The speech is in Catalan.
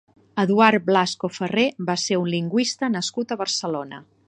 Eduard Blasco Ferrer va ser un lingüista nascut a Barcelona.